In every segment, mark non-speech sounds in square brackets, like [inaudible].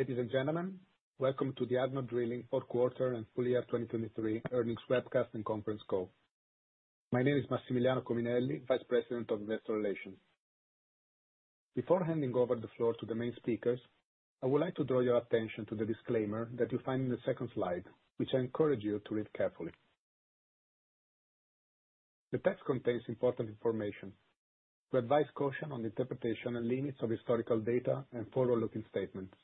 Ladies and gentlemen, welcome to the ADNOC Drilling for Quarter and Full Year 2023 Earnings Webcast and Conference Call. My name is Massimiliano Cominelli, Vice President of Investor Relations. Before handing over the floor to the main speakers, I would like to draw your attention to the disclaimer that you find in the second slide, which I encourage you to read carefully. The text contains important information. We advise caution on the interpretation and limits of historical data and forward-looking statements.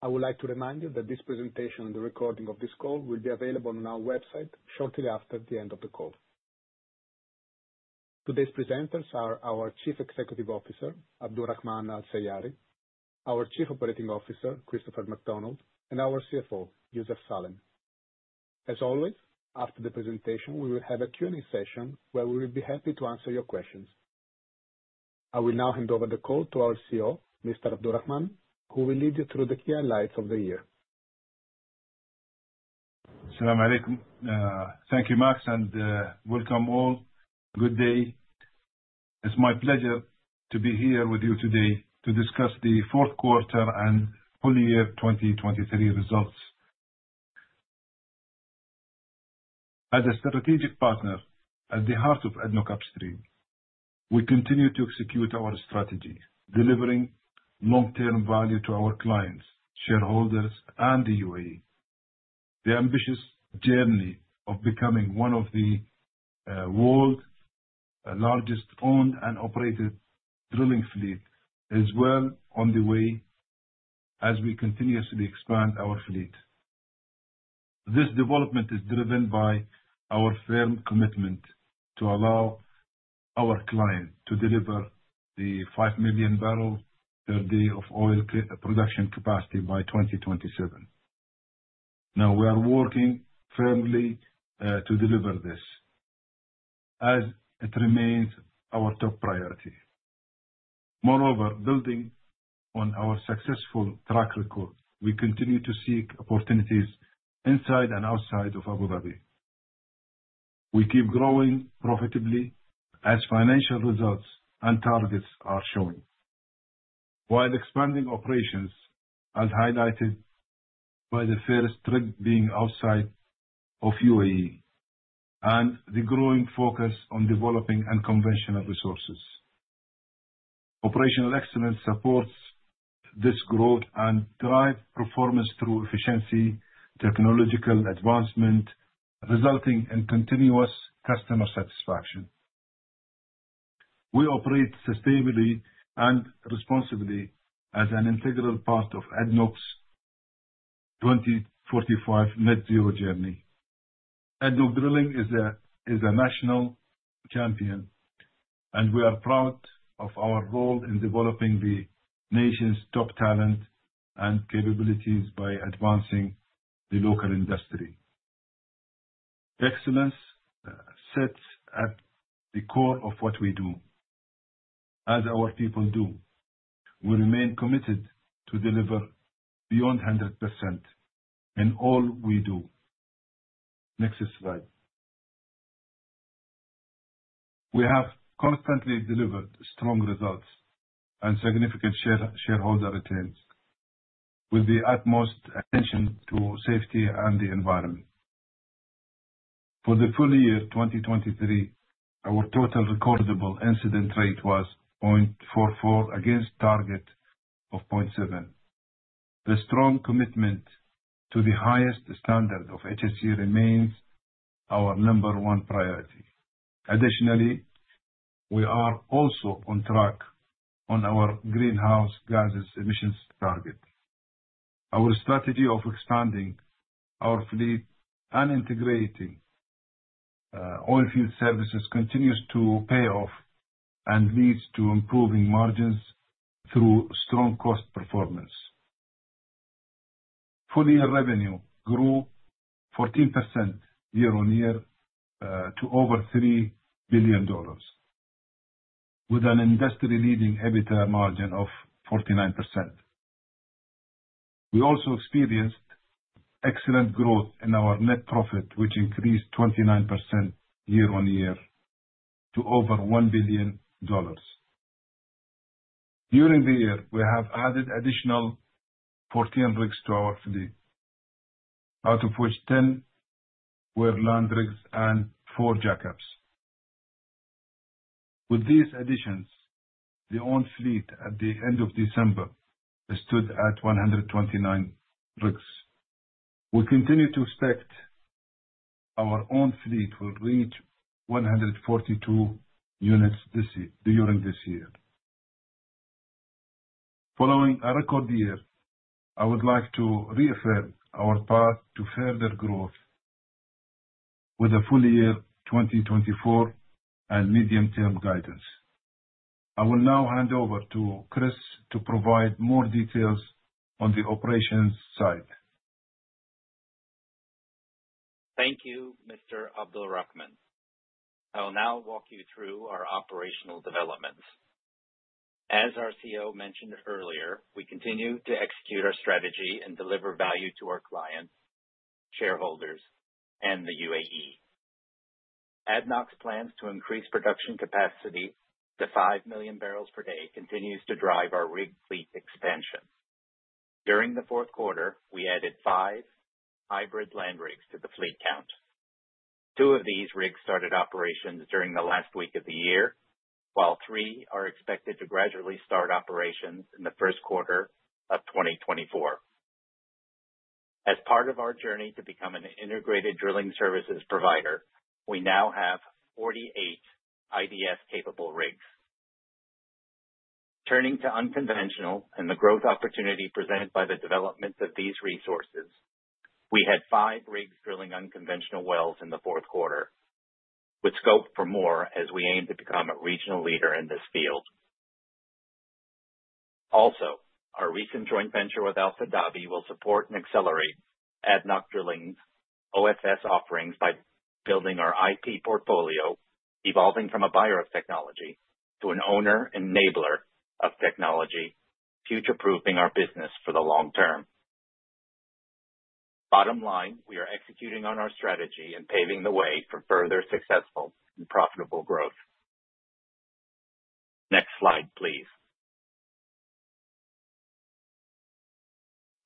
I would like to remind you that this presentation and the recording of this call will be available on our website shortly after the end of the call. Today's presenters are our Chief Executive Officer, Abdulrahman Abdullah Al Seiari, our Chief Operating Officer, Christopher McDonald, and our CFO, Youssef Salem. As always, after the presentation we will have a Q&A session where we will be happy to answer your questions. I will now hand over the call to our CEO, Mr. Abdulrahman, who will lead you through the key highlights of the year. As-salamu alaykum. Thank you, Mas, and welcome all. Good day. It's my pleasure to be here with you today to discuss the Q4 and full year 2023 results. As a strategic partner at the heart of ADNOC Upstream, we continue to execute our strategy, delivering long-term value to our clients, shareholders, and the UAE. The ambitious journey of becoming one of the world's largest owned and operated drilling fleet is well on the way as we continuously expand our fleet. This development is driven by our firm commitment to allow our client to deliver the five million barrel per day of oil production capacity by 2027. Now, we are working firmly to deliver this, as it remains our top priority. Moreover, building on our successful track record, we continue to seek opportunities inside and outside of Abu Dhabi. We keep growing profitably as financial results and targets are showing, while expanding operations, as highlighted by the first rig being outside of UAE, and the growing focus on developing unconventional resources. Operational excellence supports this growth and drives performance through efficiency, technological advancement, resulting in continuous customer satisfaction. We operate sustainably and responsibly as an integral part of ADNOC's 2045 Net Zero journey. ADNOC Drilling is a national champion, and we are proud of our role in developing the nation's top talent and capabilities by advancing the local industry. Excellence sits at the core of what we do, as our people do. We remain committed to deliver beyond 100% in all we do. Next slide. We have constantly delivered strong results and significant shareholder returns, with the utmost attention to safety and the environment. For the full year 2023, our total recordable incident rate was 0.44 against target of 0.7. The strong commitment to the highest standard of HSE remains our number one priority. Additionally, we are also on track on our greenhouse gases emissions target. Our strategy of expanding our fleet and integrating oilfield services continues to pay off and leads to improving margins through strong cost performance. Full-year revenue grew 14% year-on-year, to over $3 billion, with an industry-leading EBITDA margin of 49%. We also experienced excellent growth in our net profit, which increased 29% year-on-year to over $1 billion. During the year, we have added additional 14 rigs to our fleet, out of which 10 were land rigs and four jack-ups. With these additions, the owned fleet at the end of December stood at 129 rigs. We continue to expect our owned fleet will reach 142 units this year during this year. Following a record year, I would like to reaffirm our path to further growth with a full year 2024 and medium-term guidance. I will now hand over to Chris to provide more details on the operations side. Thank you, Mr. Abdulrahman. I will now walk you through our operational developments. As our CEO mentioned earlier, we continue to execute our strategy and deliver value to our clients, shareholders, and the UAE. ADNOC's plans to increase production capacity to five million barrels per day continue to drive our rig fleet expansion. During the Q4, we added five hybrid land rigs to the fleet count. Two of these rigs started operations during the last week of the year, while three are expected to gradually start operations in the Q1 of 2024. As part of our journey to become an integrated drilling services provider, we now have 48 IDS-capable rigs. Turning to unconventional and the growth opportunity presented by the development of these resources, we had five rigs drilling unconventional wells in the Q4, with scope for more as we aim to become a regional leader in this field. Also, our recent joint venture with Alpha Dhabi will support and accelerate ADNOC Drilling's OFS offerings by building our IP portfolio, evolving from a buyer of technology to an owner-enabler of technology, future-proofing our business for the long term. Bottom line, we are executing on our strategy and paving the way for further successful and profitable growth. Next slide, please.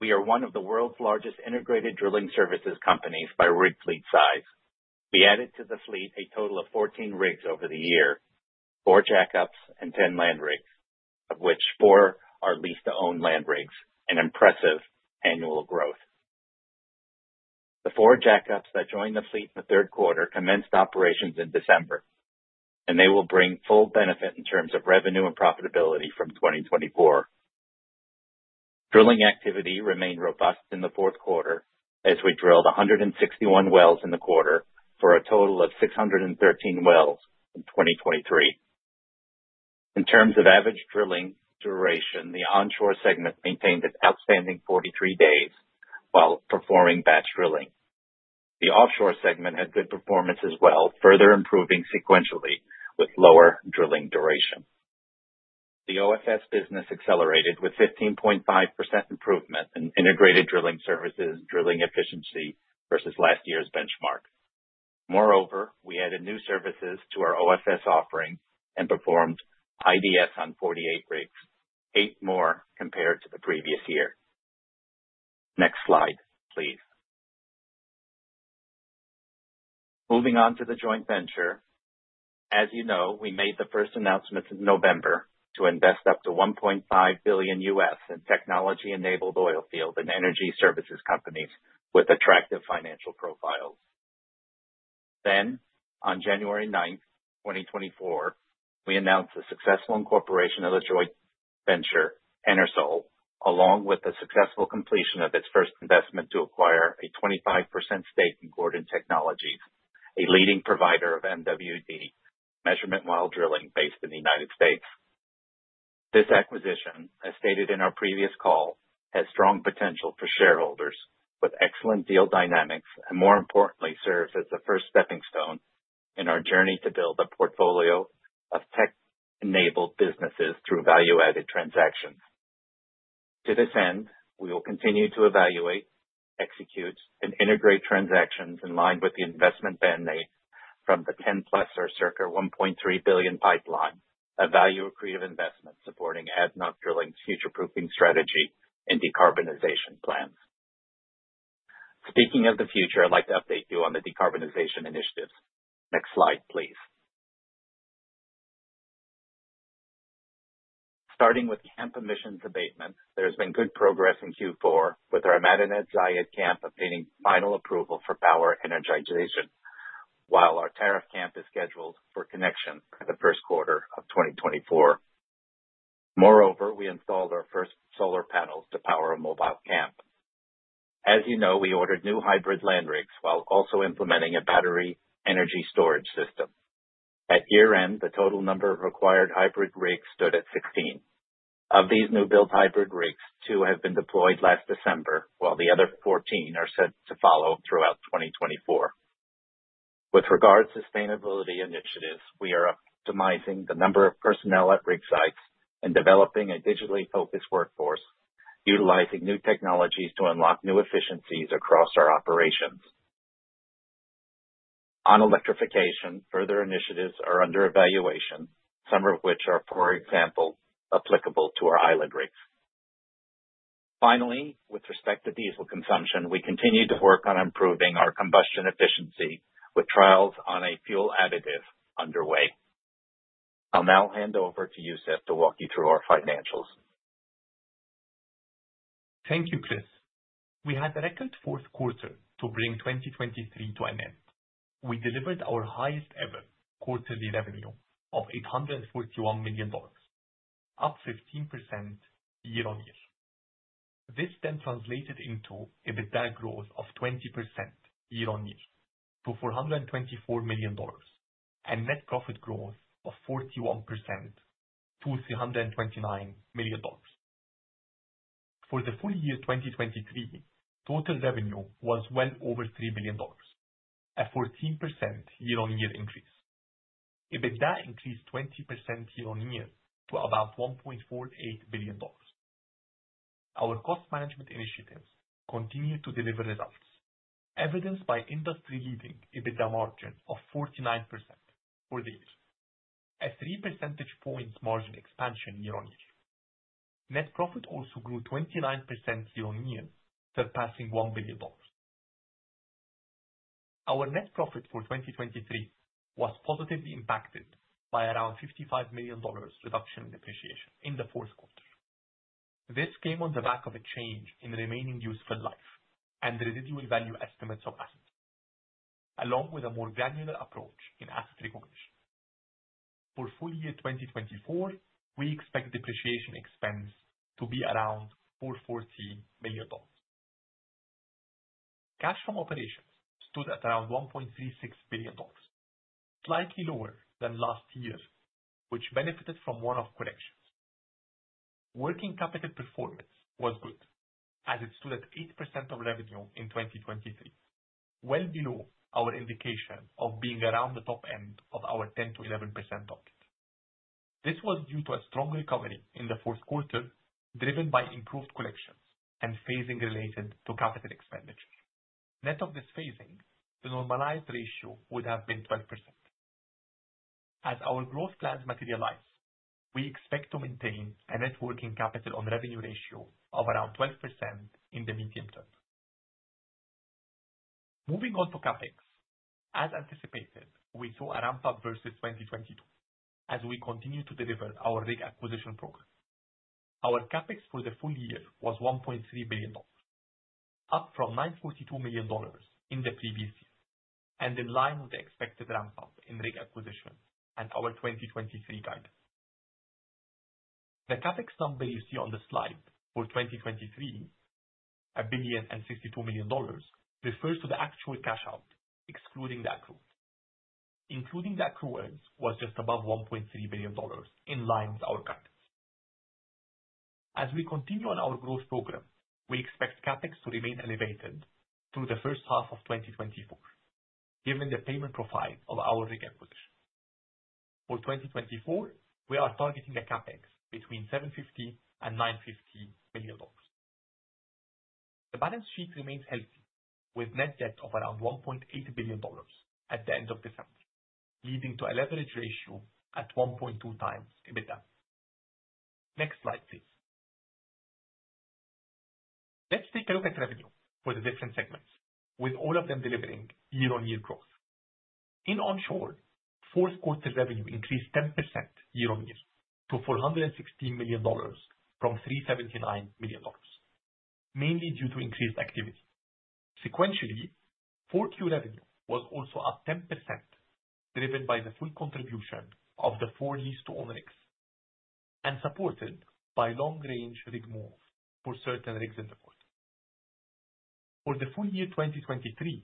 We are one of the world's largest integrated drilling services companies by rig fleet size. We added to the fleet a total of 14 rigs over the year, four jack-ups and 10 land rigs, of which four are leased-to-own land rigs, an impressive annual growth. The four jackups that joined the fleet in the third quarter commenced operations in December, and they will bring full benefit in terms of revenue and profitability from 2024. Drilling activity remained robust in the Q4 as we drilled 161 wells in the quarter, for a total of 613 wells in 2023. In terms of average drilling duration, the onshore segment maintained its outstanding 43 days while performing batch drilling. The offshore segment had good performance as well, further improving sequentially with lower drilling duration. The OFS business accelerated with 15.5% improvement in integrated drilling services drilling efficiency versus last year's benchmark. Moreover, we added new services to our OFS offering and performed IDS on 48 rigs, eight more compared to the previous year. Next slide, please. Moving on to the joint venture. As you know, we made the first announcement in November to invest up to $1.5 billion in technology-enabled oilfield and energy services companies with attractive financial profiles. Then, on January 9th, 2024, we announced the successful incorporation of the joint venture, Enersol, along with the successful completion of its first investment to acquire a 25% stake in Gordon Technologies, a leading provider of MWD, Measurement While Drilling based in the United States. This acquisition, as stated in our previous call, has strong potential for shareholders, with excellent deal dynamics and, more importantly, serves as the first stepping stone in our journey to build a portfolio of tech-enabled businesses through value-added transactions. To this end, we will continue to evaluate, execute, and integrate transactions in line with the investment mandate from the 10+ or circa $1.3 billion pipeline, a value creative investment supporting ADNOC Drilling's future-proofing strategy and decarbonization plans. Speaking of the future, I'd like to update you on the decarbonization initiatives. Next slide, please. Starting with camp emissions abatement, there has been good progress in Q4, with our Madinat Zayed camp obtaining final approval for power energization, while our Al Tarif camp is scheduled for connection in the Q1 of 2024. Moreover, we installed our first solar panels to power a mobile camp. As you know, we ordered new hybrid land rigs while also implementing a battery energy storage system. At year-end, the total number of required hybrid rigs stood at 16. Of these new-built hybrid rigs, Two have been deployed last December, while the other 14 are set to follow throughout 2024. With regard to sustainability initiatives, we are optimizing the number of personnel at rig sites and developing a digitally focused workforce, utilizing new technologies to unlock new efficiencies across our operations. On electrification, further initiatives are under evaluation, some of which are, for example, applicable to our land rigs. Finally, with respect to diesel consumption, we continue to work on improving our combustion efficiency, with trials on a fuel additive underway. I'll now hand over to Youssef to walk you through our financials. Thank you, Chris. We had the record Q4 to bring 2023 to an end. We delivered our highest-ever quarterly revenue of $841 million, up 15% year-on-year. This then translated into EBITDA growth of 20% year-on-year to $424 million, and net profit growth of 41% to $329 million. For the full year 2023, total revenue was well over $3 billion, a 14% year-on-year increase. EBITDA increased 20% year-on-year to about $1.48 billion. Our cost management initiatives continue to deliver results, evidenced by industry-leading EBITDA margin of 49% for the year, a three percentage point margin expansion year-on-year. Net profit also grew 29% year-on-year, surpassing $1 billion. Our net profit for 2023 was positively impacted by around $55 million reduction in depreciation in the Q4. This came on the back of a change in remaining useful life and residual value estimates of assets, along with a more granular approach in asset recognition. For full year 2024, we expect depreciation expense to be around $440 million. Cash from operations stood at around $1.36 billion, slightly lower than last year, which benefited from one-off corrections. Working capital performance was good, as it stood at 8% of revenue in 2023, well below our indication of being around the top end of our 10%-11% target. This was due to a strong recovery in the Q4 driven by improved collections and phasing related to capital expenditure. Net of this phasing, the normalized ratio would have been 12%. As our growth plans materialize, we expect to maintain a net working capital-on-revenue ratio of around 12% in the medium term. Moving on to CapEx. As anticipated, we saw a ramp-up versus 2022 as we continue to deliver our rig acquisition program. Our CapEx for the full year was $1.3 billion, up from $942 million in the previous year and in line with the expected ramp-up in rig acquisition and our 2023 guidance. The CapEx number you see on the slide for 2023, $1.62 billion, refers to the actual cash out, excluding the accrued. Including the accruals was just above $1.3 billion, in line with our guidance. As we continue on our growth program, we expect CapEx to remain elevated through the H1 of 2024, given the payment profile of our rig acquisition. For 2024, we are targeting a CapEx between $750 million-$950 million. The balance sheet remains healthy, with net debt of around $1.8 billion at the end of December, leading to a leverage ratio at 1.2x EBITDA. Next slide, please. Let's take a look at revenue for the different segments, with all of them delivering year-on-year growth. In Onshore, Q4 revenue increased 10% year-on-year to $416 million from $379 million, mainly due to increased activity. Sequentially, 4Q revenue was also up 10%, driven by the full contribution of the four leased-to-own rigs and supported by long-range rig moves for certain rigs in the quarter. For the full year 2023,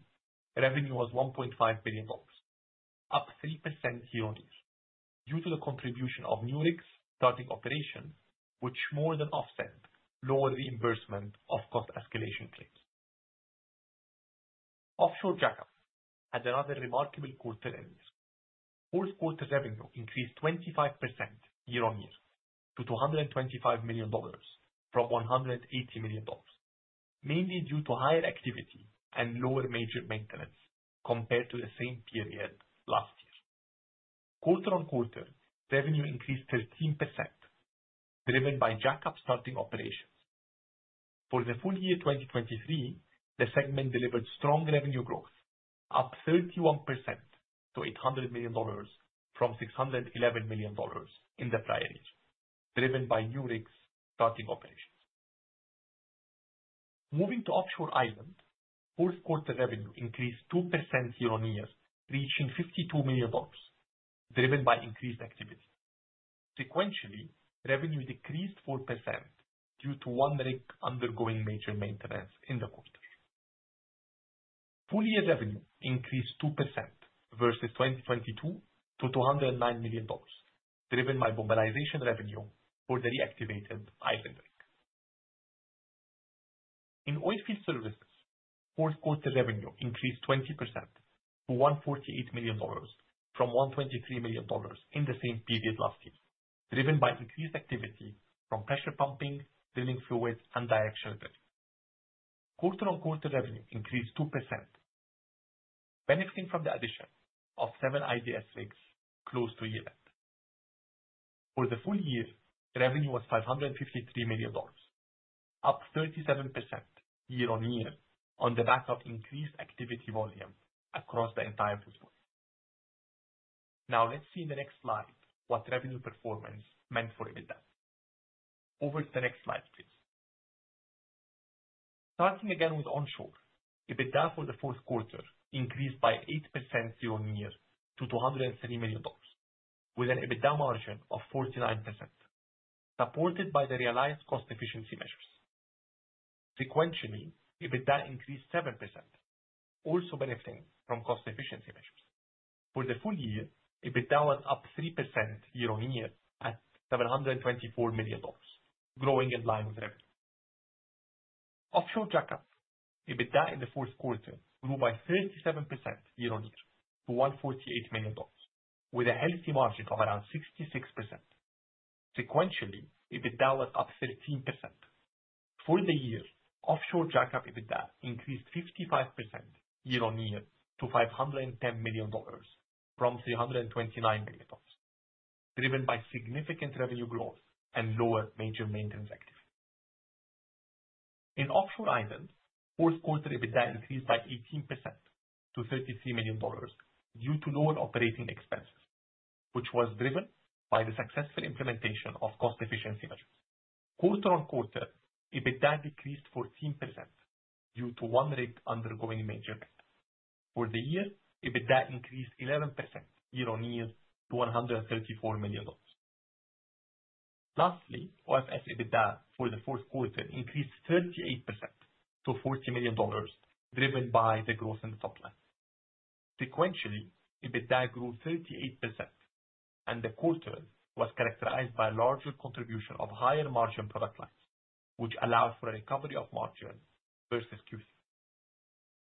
revenue was $1.5 billion, up 3% year-on-year due to the contribution of new rigs starting operation, which more than offset lower reimbursement of cost escalation claims. Offshore jack-up had another remarkable quarter-end year. Q4 revenue increased 25% year-on-year to $225 million from $180 million, mainly due to higher activity and lower major maintenance compared to the same period last year. Quarter-on-quarter, revenue increased 13%, driven by jack-up starting operations. For the full year 2023, the segment delivered strong revenue growth, up 31% to $800 million from $611 million in the prior year, driven by new rigs starting operations. Moving to offshore island, Q4 revenue increased 2% year-on-year, reaching $52 million, driven by increased activity. Sequentially, revenue decreased 4% due to one rig undergoing major maintenance in the quarter. Full year revenue increased 2% versus 2022 to $209 million, driven by mobilization revenue for the reactivated island rig. In oilfield services, Q4 revenue increased 20% to $148 million from $123 million in the same period last year, driven by increased activity from pressure pumping, drilling fluids, and directional drilling. Quarter-on-quarter, revenue increased 2%, benefiting from the addition of seven IDS rigs close to year-end. For the full year, revenue was $553 million, up 37% year-on-year on the back of increased activity volume across the entire. [inaudible] Now, let's see in the next slide what revenue performance meant for EBITDA. Over to the next slide, please. Starting again with onshore, EBITDA for the Q4 increased by 8% year-on-year to $203 million, with an EBITDA margin of 49%, supported by the realized cost efficiency measures. Sequentially, EBITDA increased 7%, also benefiting from cost efficiency measures. For the full year, EBITDA was up 3% year-on-year at $724 million, growing in line with revenue. Offshore jack-up. EBITDA in the Q4 grew by 37% year-on-year to $148 million, with a healthy margin of around 66%. Sequentially, EBITDA was up 13%. For the year, offshore jack-up EBITDA increased 55% year-on-year to $510 million from $329 million, driven by significant revenue growth and lower major maintenance activity. In offshore island, Q4 EBITDA increased by 18% to $33 million due to lower operating expenses, which was driven by the successful implementation of cost efficiency measures. Quarter-on-quarter, EBITDA decreased 14% due to one rig undergoing major maintenance. For the year, EBITDA increased 11% year-on-year to $134 million. Lastly, OFS EBITDA for the Q4 increased 38% to $40 million, driven by the growth in the top line. Sequentially, EBITDA grew 38%, and the quarter was characterized by a larger contribution of higher margin product lines, which allowed for a recovery of margin versus Q3.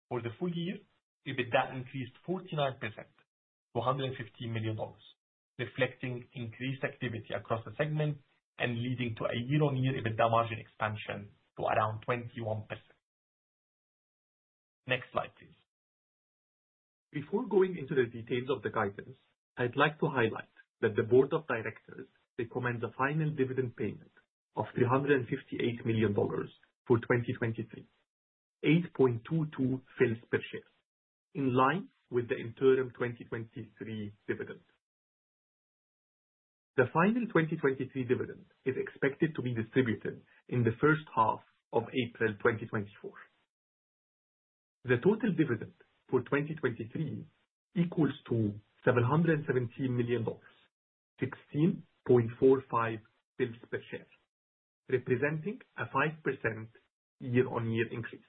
For the full year, EBITDA increased 49% to $115 million, reflecting increased activity across the segment and leading to a year-on-year EBITDA margin expansion to around 21%. Next slide, please. Before going into the details of the guidance, I'd like to highlight that the board of directors recommends a final dividend payment of $358 million for 2023, 8.22 fils per share, in line with the interim 2023 dividend. The final 2023 dividend is expected to be distributed in the H1 of April 2024. The total dividend for 2023 equals $717 million, 16.45 fils per share, representing a 5% year-on-year increase.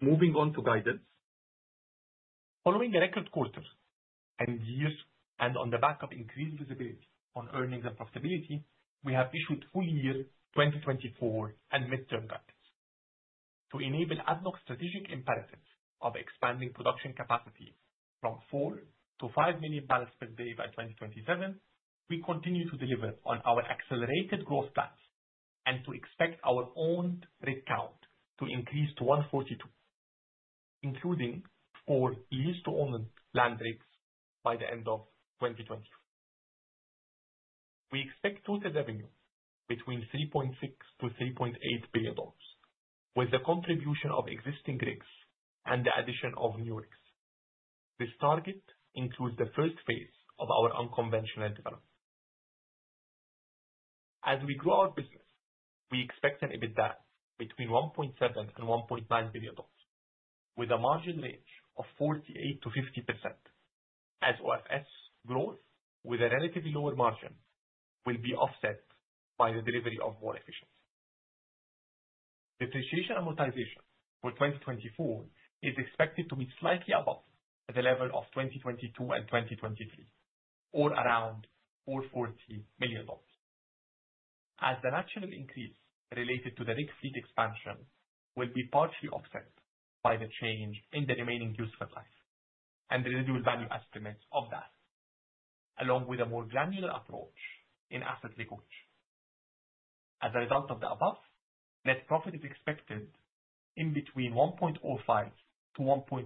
Moving on to guidance. Following a record quarter end year and on the back of increased visibility on earnings and profitability, we have issued full year 2024 and midterm guidance. To enable ADNOC strategic imperatives of expanding production capacity from four to five million barrels per day by 2027, we continue to deliver on our accelerated growth plans and to expect our own rig count to increase to 142, including four leased-to-own land rigs by the end of 2024. We expect total revenue between $3.6-$3.8 billion, with the contribution of existing rigs and the addition of new rigs. This target includes the first phase of our unconventional development. As we grow our business, we expect an EBITDA between $1.7 and $1.9 billion, with a margin range of 48%-50%, as OFS growth with a relatively lower margin will be offset by the delivery of more efficiency. Depreciation and amortization for 2024 is expected to be slightly above the level of 2022 and 2023, or around $440 million. As the natural increase related to the rig fleet expansion will be partially offset by the change in the remaining useful life and residual value estimates of that, along with a more granular approach in asset recognition. As a result of the above, net profit is expected in between $1.05-$1.25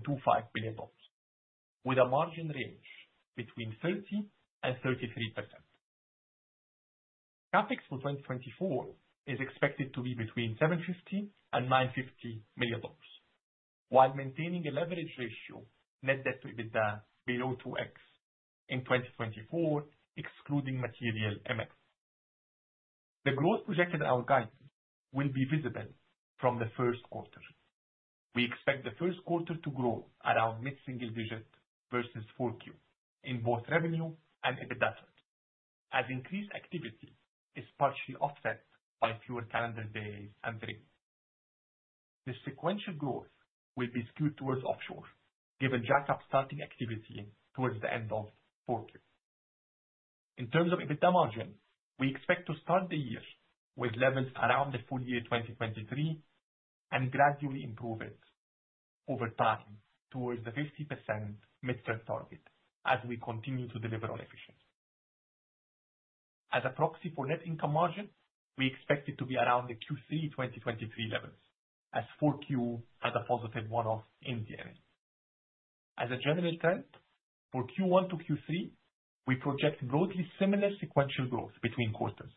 billion, with a margin range between 30%-33%. CapEx for 2024 is expected to be between $750-$950 million, while maintaining a leverage ratio net debt to EBITDA below 2x in 2024, excluding material M&L. The growth projected in our guidance will be visible from the Q1. We expect the Q1 to grow around mid-single digit versus 4Q in both revenue and EBITDA trends, as increased activity is partially offset by fewer calendar days and the revenue. This sequential growth will be skewed towards offshore, given jack-up starting activity towards the end of Q4. In terms of EBITDA margin, we expect to start the year with levels around the full year 2023 and gradually improve it over time towards the 50% midterm target as we continue to deliver on efficiency. As a proxy for net income margin, we expect it to be around the Q3 2023 levels, as Q4 has a positive one-off in D&A. As a general trend, for Q1 to Q3, we project broadly similar sequential growth between quarters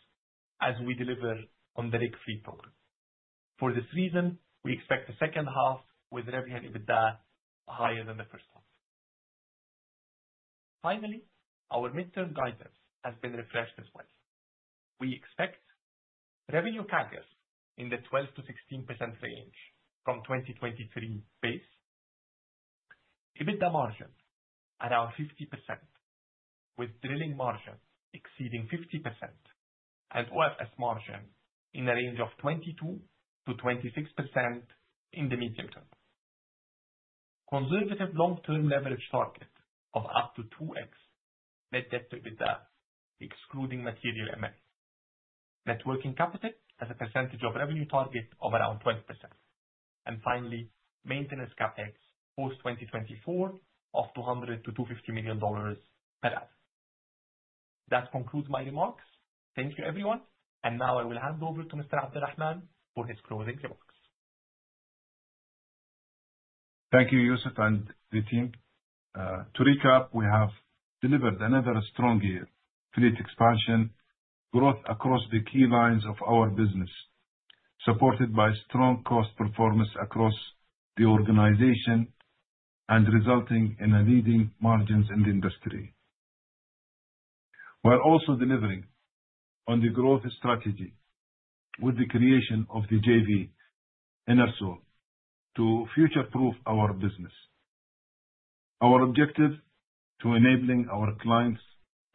as we deliver on the rig fleet program. For this reason, we expect the second half with revenue and EBITDA higher than the H1. Finally, our midterm guidance has been refreshed as well. We expect revenue CAGR in the 12%-16% range from 2023 base, EBITDA margin around 50%, with drilling margin exceeding 50%, and OFS margin in a range of 22%-26% in the medium term. Conservative long-term leverage target of up to 2x net debt to EBITDA, excluding material ML. Net working capital as a percentage of revenue target of around 20%. And finally, maintenance CapEx post-2024 of $200-$250 million per annum. That concludes my remarks. Thank you, everyone. And now I will hand over to Mr. Abdulrahman for his closing remarks. Thank you, Youssef and the team. To recap, we have delivered another strong year, fleet expansion, growth across the key lines of our business, supported by strong cost performance across the organization and resulting in leading margins in the industry. We are also delivering on the growth strategy with the creation of the JV Enersol to future-proof our business. Our objective to enabling our clients'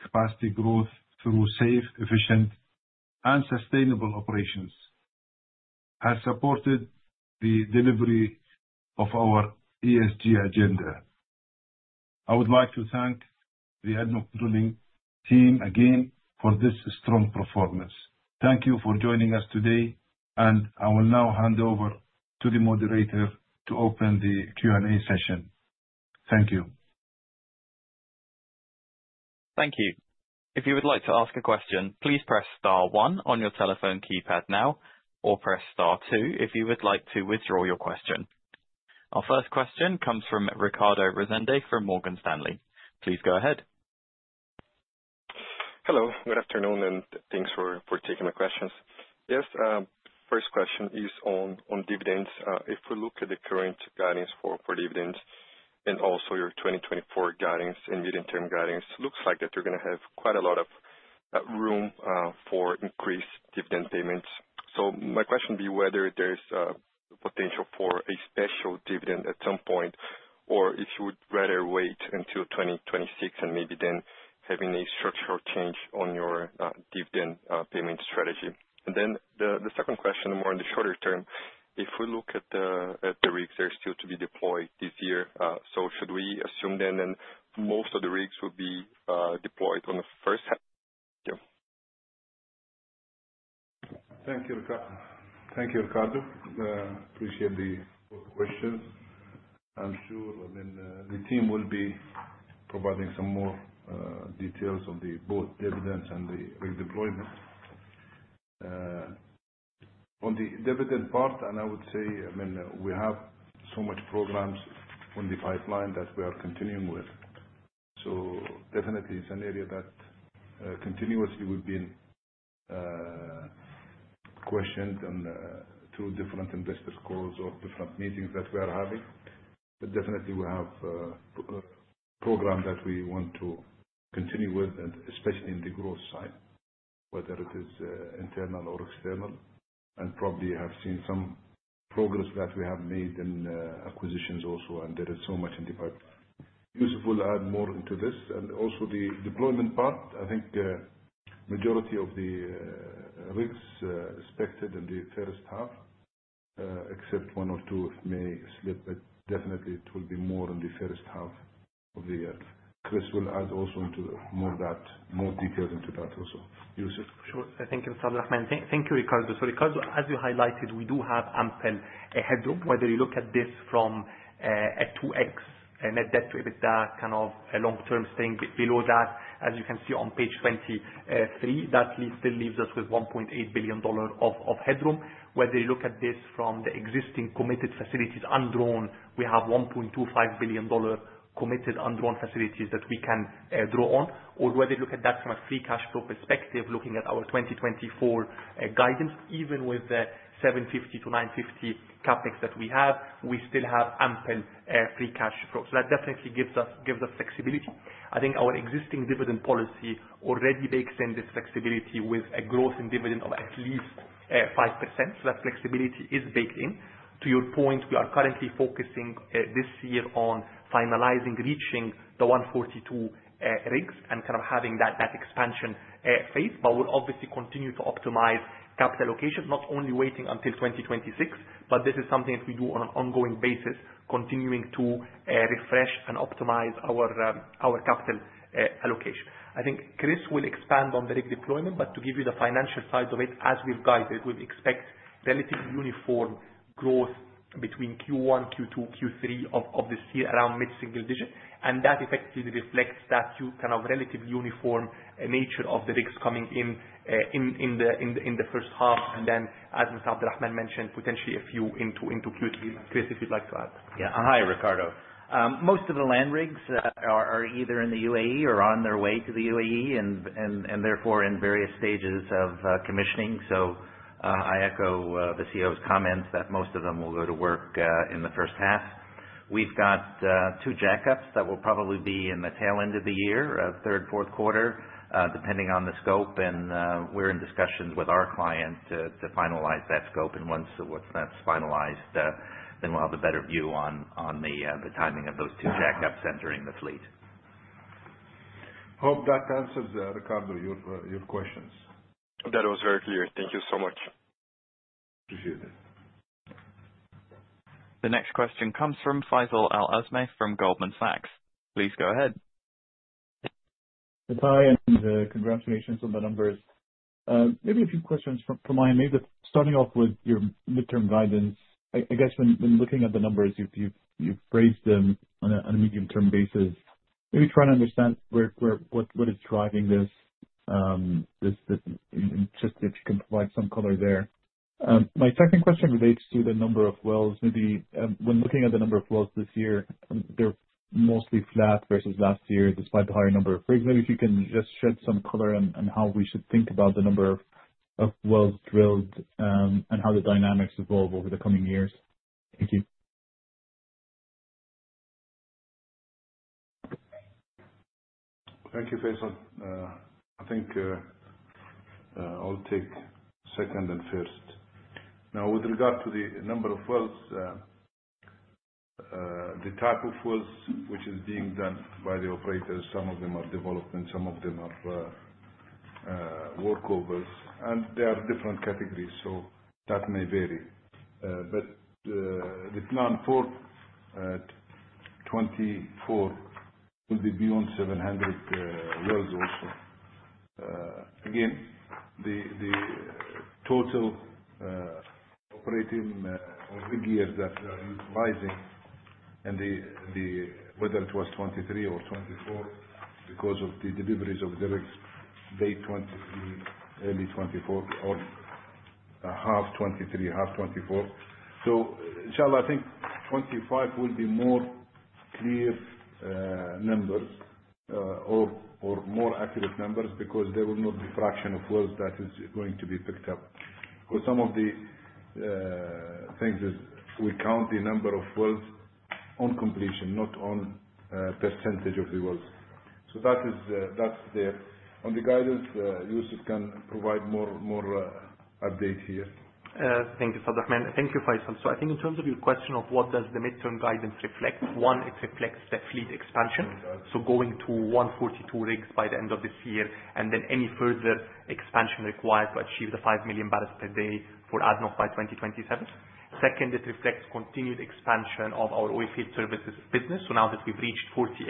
capacity growth through safe, efficient, and sustainable operations has supported the delivery of our ESG agenda. I would like to thank the ADNOC Drilling Team again for this strong performance. Thank you for joining us today, and I will now hand over to the moderator to open the Q&A session. Thank you. Thank you. If you would like to ask a question, please press star one on your telephone keypad now, or press star two if you would like to withdraw your question. Our first question comes from Ricardo Rezende from Morgan Stanley. Please go ahead. Hello. Good afternoon, and thanks for taking my questions. Yes, first question is on dividends. If we look at the current guidance for dividends and also your 2024 guidance and mid-term guidance, it looks like that you're going to have quite a lot of room for increased dividend payments. So my question would be whether there's potential for a special dividend at some point, or if you would rather wait until 2026 and maybe then having a structural change on your dividend payment strategy. And then the second question, more in the shorter term, if we look at the rigs, they're still to be deployed this year, so should we assume then that most of the rigs would be deployed on the H1? Thank you. Thank you, Ricardo. Thank you, Ricardo. Appreciate the questions. I'm sure, I mean, the team will be providing some more details of both dividends and the rig deployment. On the dividend part, and I would say, I mean, we have so much programs on the pipeline that we are continuing with. So definitely, it's an area that continuously would be questioned through different investor calls or different meetings that we are having. But definitely, we have programs that we want to continue with, especially in the growth side, whether it is internal or external. And probably you have seen some progress that we have made in acquisitions also, and there is so much in the pipeline. Youssef will add more into this. Also the deployment part, I think majority of the rigs expected in the H1, except one or two if may slip, but definitely, it will be more in the H1 of the year. Chris will add also more details into that also. Youssef? Sure. I think, Mr. Abdulrahman, thank you, Ricardo. So, Ricardo, as you highlighted, we do have ample headroom. Whether you look at this from a 2x net debt to EBITDA, kind of long-term staying below that, as you can see on page 23, that still leaves us with $1.8 billion of headroom. Whether you look at this from the existing committed facilities undrawn, we have $1.25 billion committed undrawn facilities that we can draw on. Or whether you look at that from a free cash flow perspective, looking at our 2024 guidance, even with the $750 million-$950 million CapEx that we have, we still have ample free cash flow. So that definitely gives us flexibility. I think our existing dividend policy already bakes in this flexibility with a growth in dividend of at least 5%. So that flexibility is baked in. To your point, we are currently focusing this year on finalizing reaching the 142 rigs and kind of having that expansion phase. But we'll obviously continue to optimize capital allocation, not only waiting until 2026, but this is something that we do on an ongoing basis, continuing to refresh and optimize our capital allocation. I think Chris will expand on the rig deployment, but to give you the financial side of it, as we've guided, we expect relatively uniform growth between Q1, Q2, Q3 of this year around mid-single digit. And that effectively reflects that kind of relatively uniform nature of the rigs coming in in the H1 and then, as Mr. Abdulrahman mentioned, potentially a few into Q3. Chris, if you'd like to add. Yeah. Hi, Ricardo. Most of the land rigs are either in the UAE or on their way to the UAE and therefore in various stages of commissioning. So I echo the CEO's comments that most of them will go to work in the H1. We've got two jackups that will probably be in the tail end of the year, third, Q4, depending on the scope. And we're in discussions with our client to finalize that scope. And once that's finalized, then we'll have a better view on the timing of those two jackups entering the fleet. I hope that answers, Ricardo, your questions. That was very clear. Thank you so much. Appreciate it. The next question comes from Faisal Al-Azmeh from Goldman Sachs. Please go ahead. Hi, and congratulations on the numbers. Maybe a few questions from mine. Maybe starting off with your midterm guidance, I guess when looking at the numbers, you've phrased them on a medium-term basis. Maybe trying to understand what is driving this, just if you can provide some color there. My second question relates to the number of wells. Maybe when looking at the number of wells this year, they're mostly flat versus last year despite the higher number of rigs. Maybe if you can just shed some color on how we should think about the number of wells drilled and how the dynamics evolve over the coming years. Thank you. Thank you, Faisal. I think I'll take second and first. Now, with regard to the number of wells, the type of wells which is being done by the operators, some of them are development, some of them are workovers. And there are different categories, so that may vary. But the plan for 2024 will be beyond 700 wells also. Again, the total operating rig years that we are utilizing, and whether it was 2023 or 2024 because of the deliveries of the rigs, late 2023, early 2024, or half 2023, half 2024. So inshallah, I think 2025 will be more clear numbers or more accurate numbers because there will not be a fraction of wells that is going to be picked up. Because some of the things is we count the number of wells on completion, not on percentage of the wells. So that's there. On the guidance, Youssef can provide more update here. Thank you, Mr. Abdulrahman. Thank you, Faisal. So I think in terms of your question of what does the midterm guidance reflect, one, it reflects the fleet expansion, so going to 142 rigs by the end of this year, and then any further expansion required to achieve the 5 million barrels per day for ADNOC by 2027. Second, it reflects continued expansion of our oilfield services business. So now that we've reached 48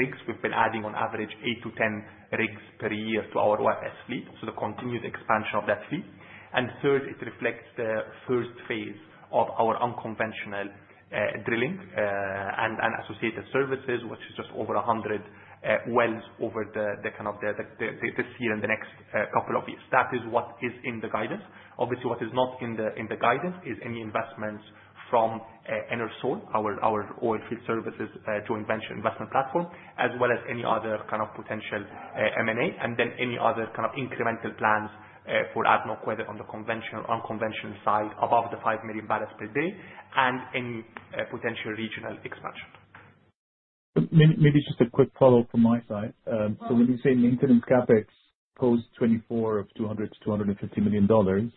rigs, we've been adding on average eight to 10 rigs per year to our OFS fleet, so the continued expansion of that fleet. And third, it reflects the first phase of our unconventional drilling and associated services, which is just over 100 wells over the kind of this year and the next couple of years. That is what is in the guidance. Obviously, what is not in the guidance is any investments from Enersol, our oilfield services joint venture investment platform, as well as any other kind of potential M&A, and then any other kind of incremental plans for ADNOC, whether on the conventional or unconventional side, above the five million barrels per day, and any potential regional expansion. Maybe just a quick follow-up from my side. So when you say maintenance CapEx post-2024 of $200-$250 million,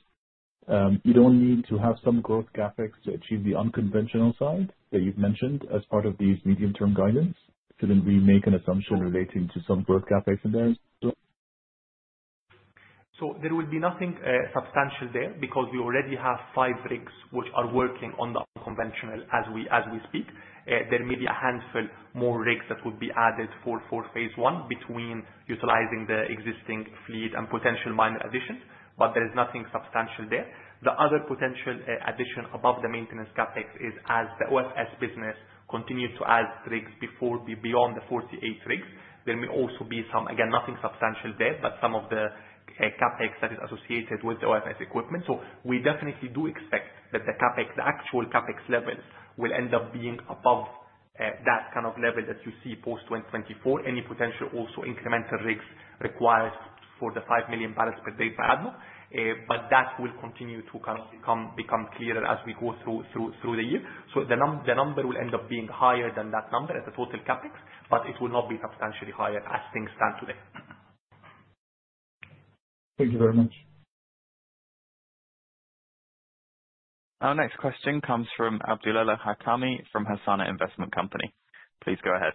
you don't need to have some growth CapEx to achieve the unconventional side that you've mentioned as part of these medium-term guidance? Shouldn't we make an assumption relating to some growth CapEx in there as well? So there will be nothing substantial there because we already have five rigs which are working on the unconventional as we speak. There may be a handful more rigs that would be added for phase one between utilizing the existing fleet and potential minor additions, but there is nothing substantial there. The other potential addition above the maintenance CapEx is as the OFS business continues to add rigs beyond the 48 rigs, there may also be some again, nothing substantial there, but some of the CapEx that is associated with the OFS equipment. So we definitely do expect that the actual CapEx levels will end up being above that kind of level that you see post-2024, any potential also incremental rigs required for the five million barrels per day by ADNOC. But that will continue to kind of become clearer as we go through the year. The number will end up being higher than that number at the total CapEx, but it will not be substantially higher as things stand today. Thank you very much. Our next question comes from Abdulelah Al-Hakami from Hassana Investment Company. Please go ahead.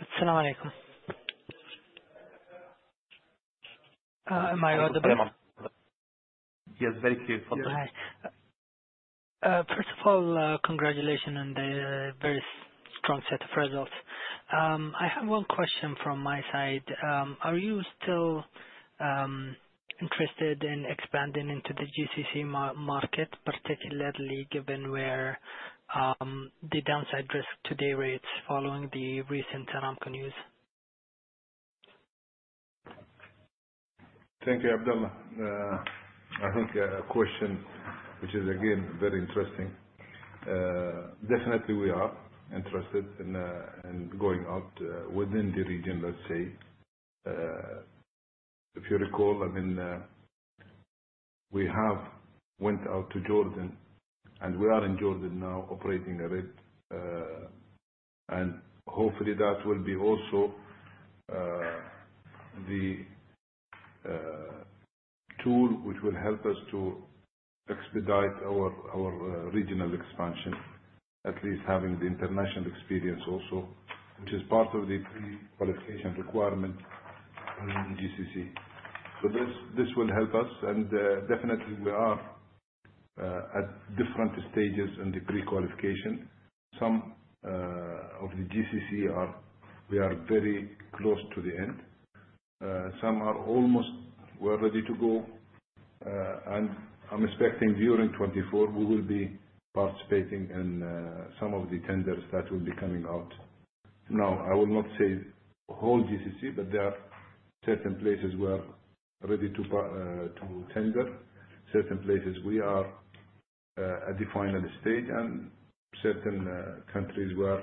As-salamu alaykum. Am I audible? Yes, very clear. Yeah. Hi. First of all, congratulations on the very strong set of results. I have one question from my side. Are you still interested in expanding into the GCC market, particularly given the downside risk to day rates following the recent Saudi Aramco news? Thank you, Abdulelah. I think a question which is, again, very interesting. Definitely, we are interested in going out within the region, let's say. If you recall, I mean, we went out to Jordan, and we are in Jordan now operating a rig. And hopefully, that will be also the tool which will help us to expedite our regional expansion, at least having the international experience also, which is part of the pre-qualification requirement in the GCC. So this will help us. And definitely, we are at different stages in the pre-qualification. Some of the GCC, we are very close to the end. Some are almost we're ready to go. And I'm expecting during 2024, we will be participating in some of the tenders that will be coming out. Now, I will not say the whole GCC, but there are certain places we're ready to tender, certain places we are at the final stage, and certain countries were,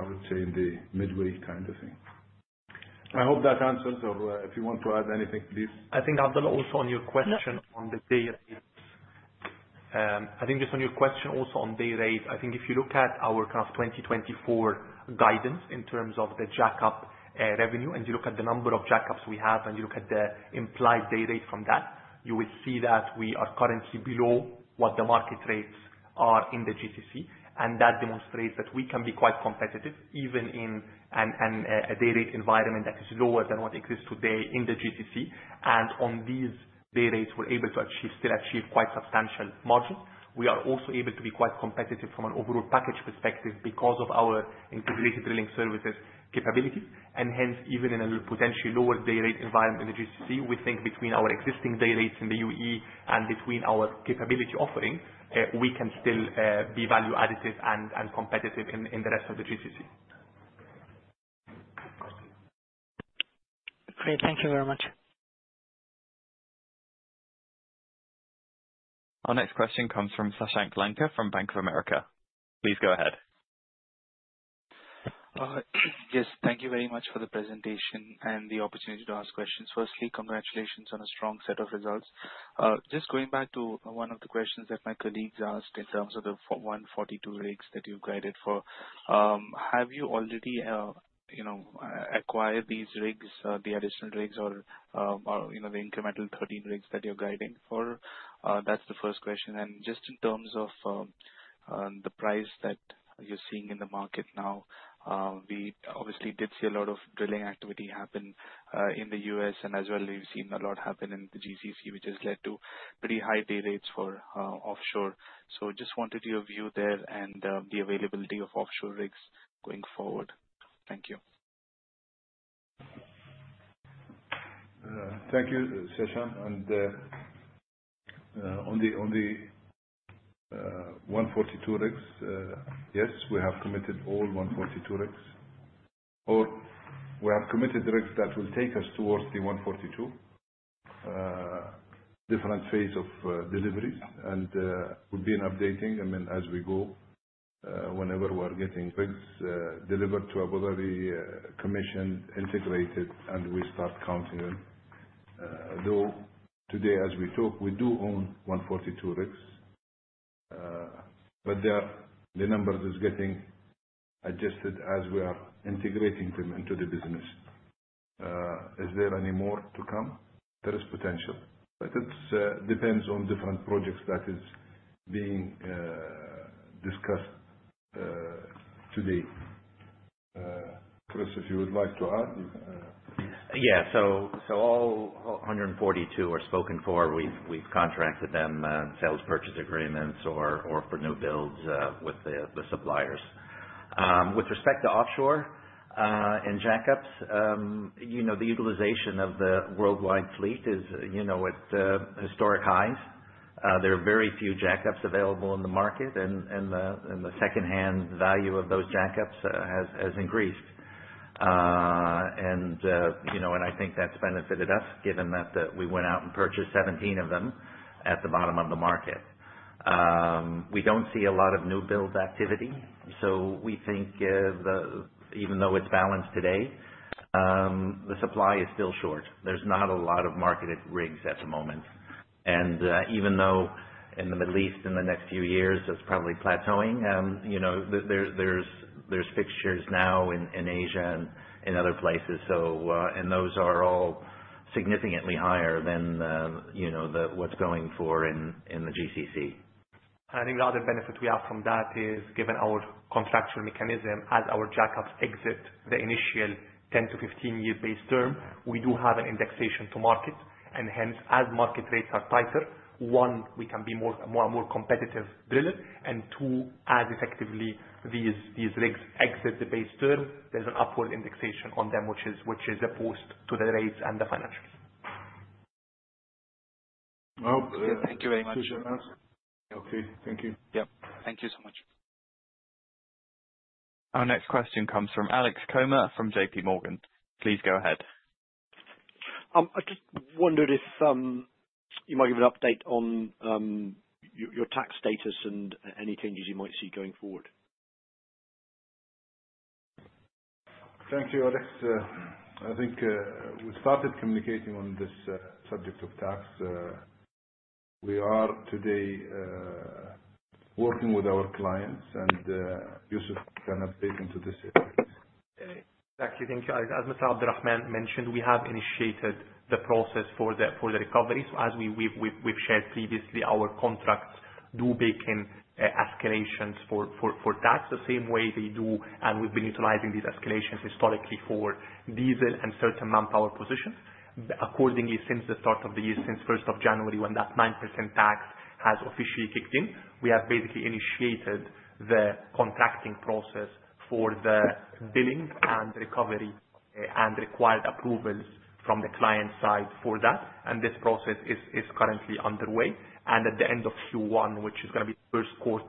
I would say, in the midway kind of thing. I hope that answers, or if you want to add anything, please. I think, Abdulelah, also on your question on the day rates. I think just on your question also on day rates, I think if you look at our kind of 2024 guidance in terms of the jack-up revenue, and you look at the number of jack-ups we have, and you look at the implied day rate from that, you will see that we are currently below what the market rates are in the GCC. And that demonstrates that we can be quite competitive even in a day rate environment that is lower than what exists today in the GCC. And on these day rates, we're able to still achieve quite substantial margins. We are also able to be quite competitive from an overall package perspective because of our integrated drilling services capabilities. Hence, even in a potentially lower day rate environment in the GCC, we think between our existing day rates in the UAE and between our capability offering, we can still be value additive and competitive in the rest of the GCC. Great. Thank you very much. Our next question comes from Sashank Lanka from Bank of America. Please go ahead. Yes. Thank you very much for the presentation and the opportunity to ask questions. Firstly, congratulations on a strong set of results. Just going back to one of the questions that my colleagues asked in terms of the 142 rigs that you've guided for, have you already acquired these rigs, the additional rigs, or the incremental 13 rigs that you're guiding for? That's the first question. Just in terms of the price that you're seeing in the market now, we obviously did see a lot of drilling activity happen in the US, and as well, we've seen a lot happen in the GCC, which has led to pretty high day rates for offshore. Just wanted your view there and the availability of offshore rigs going forward. Thank you. Thank you, Sashank. On the 142 rigs, yes, we have committed all 142 rigs. Or we have committed rigs that will take us towards the 142, different phase of deliveries, and we've been updating, I mean, as we go. Whenever we are getting rigs delivered to a brotherly commission, integrated, and we start counting them. Though today, as we talk, we do own 142 rigs, but the number is getting adjusted as we are integrating them into the business. Is there any more to come? There is potential, but it depends on different projects that is being discussed today. Chris, if you would like to add, you can. Yeah. So all 142 are spoken for. We've contracted them sales purchase agreements or for new builds with the suppliers. With respect to offshore and jackups, the utilization of the worldwide fleet is at historic highs. There are very few jackups available in the market, and the secondhand value of those jackups has increased. And I think that's benefited us given that we went out and purchased 17 of them at the bottom of the market. We don't see a lot of new build activity. So we think even though it's balanced today, the supply is still short. There's not a lot of marketed rigs at the moment. And even though in the Middle East, in the next few years, it's probably plateauing, there's fixtures now in Asia and in other places, and those are all significantly higher than what's going for in the GCC. I think the other benefit we have from that is given our contractual mechanism, as our jackups exit the initial 10 to 15 year base term, we do have an indexation to market. And hence, as market rates are tighter, one, we can be a more competitive driller. And two, as effectively these rigs exit the base term, there's an upward indexation on them, which is opposed to the rates and the financials. Thank you very much. Okay. Thank you. Yep. Thank you so much. Our next question comes from Alex Comer from JP Morgan. Please go ahead. I just wondered if you might give an update on your tax status and any changes you might see going forward. Thank you, Alex. I think we started communicating on this subject of tax. We are today working with our clients, and Youssef can update into this area. Thank you. Thank you. As Mr. Abdulrahman mentioned, we have initiated the process for the recovery. So as we've shared previously, our contracts do have escalations for tax the same way they do, and we've been utilizing these escalations historically for diesel and certain manpower positions. Accordingly, since the start of the year, since 1st of January, when that 9% tax has officially kicked in, we have basically initiated the contracting process for the billing and recovery and required approvals from the client side for that. And this process is currently underway. And at the end of Q1, which is going to be the Q1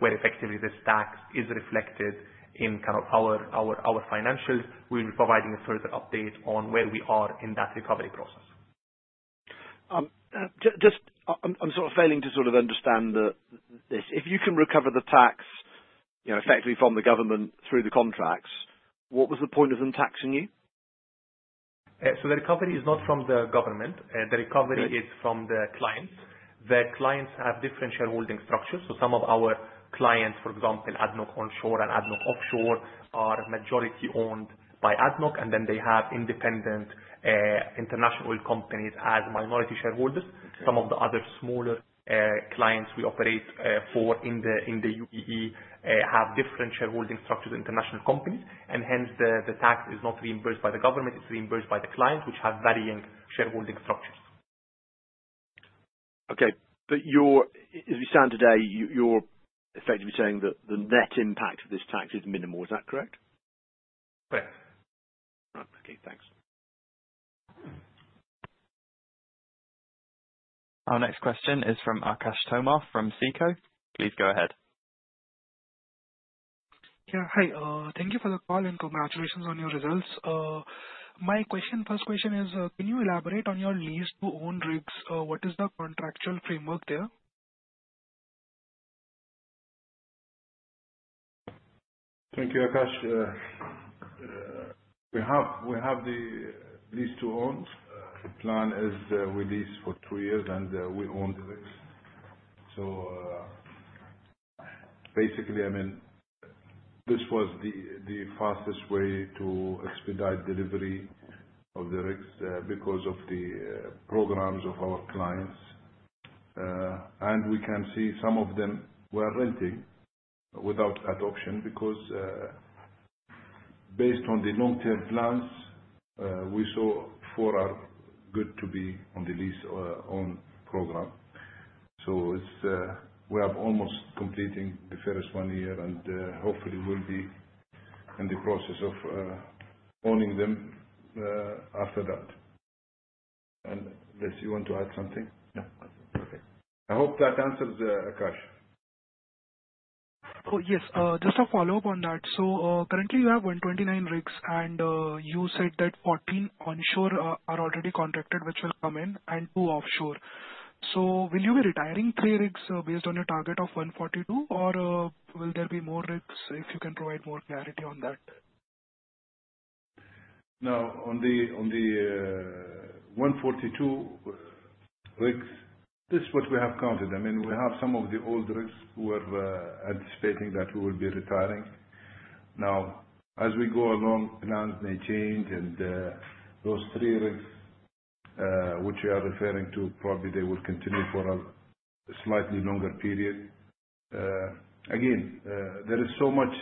where effectively this tax is reflected in kind of our financials, we'll be providing a further update on where we are in that recovery process. I'm sort of failing to sort of understand this. If you can recover the tax effectively from the government through the contracts, what was the point of them taxing you? So the recovery is not from the government. The recovery is from the clients. The clients have different shareholding structures. So some of our clients, for example, ADNOC Onshore and ADNOC Offshore, are majority-owned by ADNOC, and then they have independent international oil companies as minority shareholders. Some of the other smaller clients we operate for in the UAE have different shareholding structures, international companies. And hence, the tax is not reimbursed by the government. It's reimbursed by the clients, which have varying shareholding structures. Okay. But as we stand today, you're effectively saying that the net impact of this tax is minimal. Is that correct? Correct. All right. Okay. Thanks. Our next question is from Aakarsh Tomar from SICO. Please go ahead. Yeah. Hi. Thank you for the call and congratulations on your results. My first question is, can you elaborate on your lease-to-own rigs? What is the contractual framework there? Thank you, Aakarsh. We have the lease-to-owns. The plan is we lease for two years, and we own the rigs. So basically, I mean, this was the fastest way to expedite delivery of the rigs because of the programs of our clients. And we can see some of them were renting without adoption because based on the long-term plans, we saw four are good to be on the lease-owned program. So we are almost completing the first one year, and hopefully, we'll be in the process of owning them after that. And yes, you want to add something? Perfect. I hope that answers Aakarsh. Yes. Just to follow up on that. So currently, you have 129 rigs, and you said that 14 onshore are already contracted, which will come in, and two offshore. So will you be retiring three rigs based on your target of 142, or will there be more rigs if you can provide more clarity on that? Now, on the 142 rigs, this is what we have counted. I mean, we have some of the old rigs who were anticipating that we will be retiring. Now, as we go along, plans may change, and those three rigs, which you are referring to, probably they will continue for a slightly longer period. Again, there is so much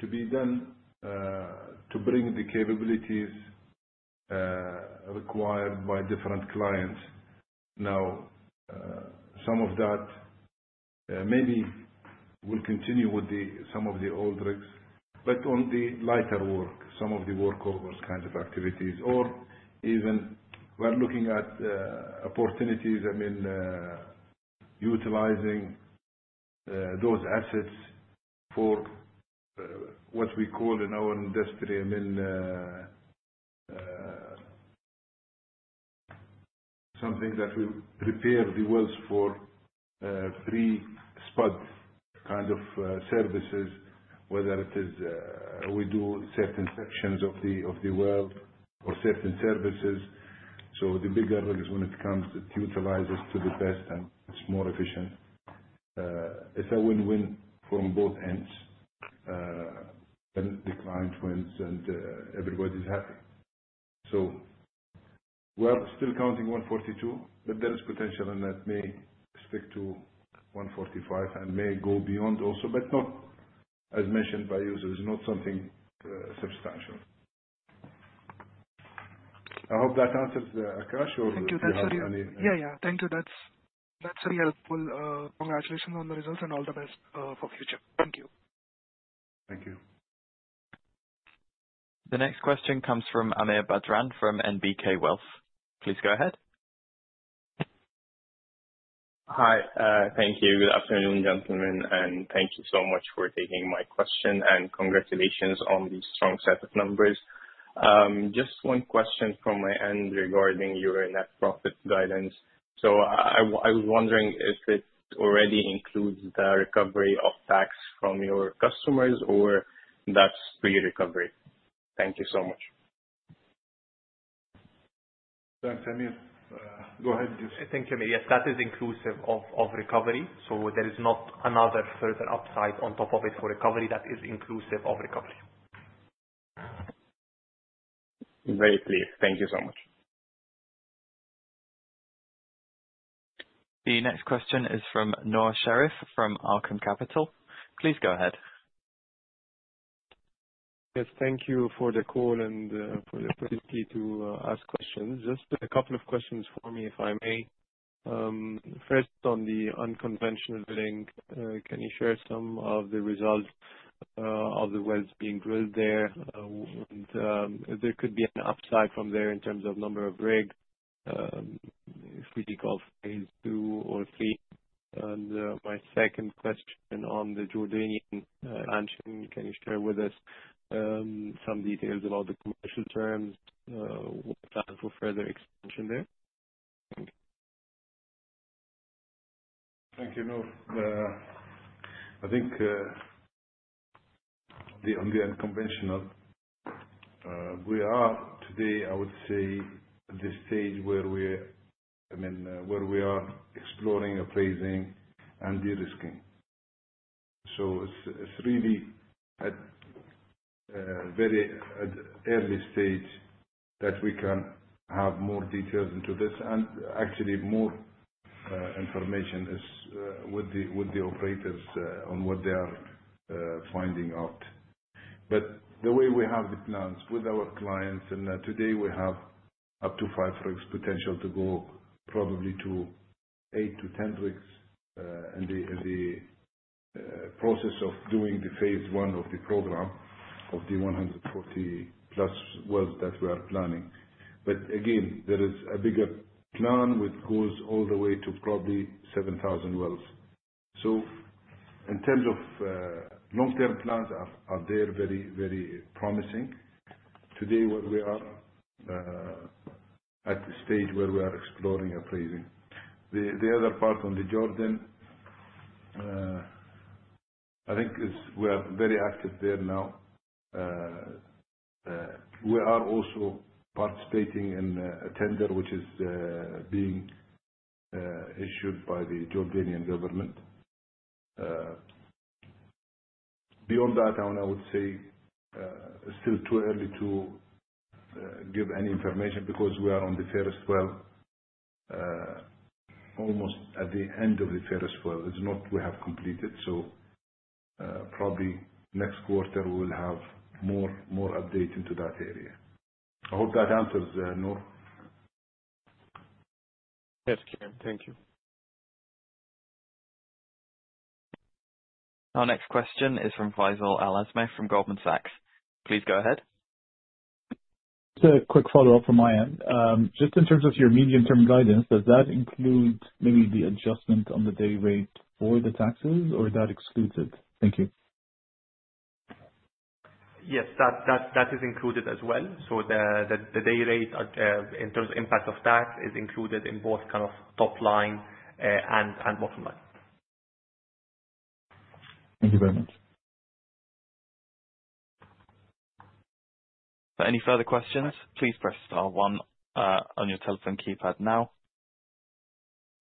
to be done to bring the capabilities required by different clients. Now, some of that maybe will continue with some of the old rigs, but on the lighter work, some of the workovers kind of activities, or even we're looking at opportunities, I mean, utilizing those assets for what we call in our industry, I mean, something that we prepare the wells for pre-spud kind of services, whether it is we do certain sections of the well or certain services. So the bigger rigs, when it comes, it utilizes to the best, and it's more efficient. It's a win-win from both ends. The client wins, and everybody's happy. So we are still counting 142, but there is potential in that may stick to 145 and may go beyond also, but not as mentioned by you. So it's not something substantial. I hope that answers Aakarsh, or do you have any? Yeah. Yeah. Thank you. That's really helpful. Congratulations on the results, and all the best for future. Thank you. Thank you. The next question comes from Amir Badran from NBK Wealth. Please go ahead. Hi. Thank you. Good afternoon, gentlemen. Thank you so much for taking my question, and congratulations on the strong set of numbers. Just one question from my end regarding your net profit guidance. So I was wondering if it already includes the recovery of tax from your customers, or that's pre-recovery? Thank you so much. Thanks, Amir. Go ahead, Youssef. Thank you, Amir. Yes, that is inclusive of recovery. So there is not another further upside on top of it for recovery. That is inclusive of recovery. Very pleased. Thank you so much. The next question is from Nour Sherif from Arqaam Capital. Please go ahead. Yes. Thank you for the call and for the opportunity to ask questions. Just a couple of questions for me, if I may. First, on the unconventional drilling, can you share some of the results of the wells being drilled there? And there could be an upside from there in terms of number of rigs if we deal with phase two or three. And my second question on the Jordanian expansion, can you share with us some details about the commercial terms, plan for further expansion there? Thank you, Nour. I think on the unconventional, we are today, I would say, at the stage where we are I mean, where we are exploring, appraising, and de-risking. So it's really at a very early stage that we can have more details into this, and actually, more information with the operators on what they are finding out. But the way we have the plans with our clients, and today, we have up to five rigs potential to go, probably to eight to 10 rigs in the process of doing the phase one of the program of the 140+ wells that we are planning. But again, there is a bigger plan which goes all the way to probably 7,000 wells. So in terms of long-term plans, they are very, very promising. Today, we are at the stage where we are exploring, appraising. The other part on the Jordan, I think we are very active there now. We are also participating in a tender which is being issued by the Jordanian government. Beyond that, I would say it's still too early to give any information because we are on the first well, almost at the end of the first well. We have completed, so probably next quarter, we will have more update into that area. I hope that answers Nour. Yes. [inaudible] Thank you. Our next question is from Faisal Al-Azmeh from Goldman Sachs. Please go ahead. Just a quick follow-up from my end. Just in terms of your medium-term guidance, does that include maybe the adjustment on the day rate for the taxes, or that excludes it? Thank you. Yes. That is included as well. So the day rate, in terms of impact of tax, is included in both kind of top line and bottom line. Thank you very much. For any further questions, please press star one on your telephone keypad now.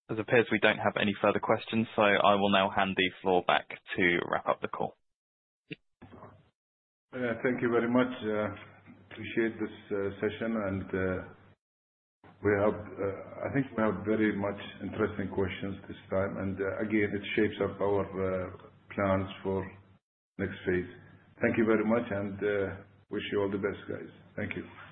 It appears we don't have any further questions, so I will now hand the floor back to wrap up the call. Yeah. Thank you very much. Appreciate this session, and I think we have very much interesting questions this time. And again, it shapes up our plans for next phase. Thank you very much, and wish you all the best, guys. Thank you.